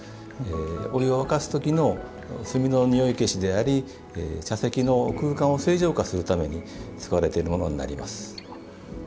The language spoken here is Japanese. お湯を沸かすときの炭のにおい消しであり茶席の空間を清浄化するために使われているものになります。